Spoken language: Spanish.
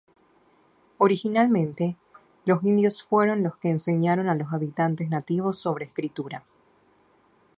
Originalmente, los indios fueron los que enseñaron a los habitantes nativos sobre escritura.